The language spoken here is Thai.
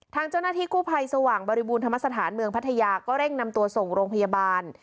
ทางเจ้าหน้าที่กู้ภัยสว่างบริบูรณธรรมสถานเมืองพัทยาก็เร่งนำตัวส่งโรงพยาบาล